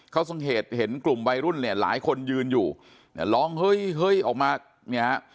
เขาสังเหตุเห็นกลุ่มวัยรุ่นเนี่ยหลายคนยืนอยู่ร้องเฮ้ยออกมาเนี่ย